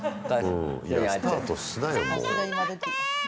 いや、スタートしなよ、もう。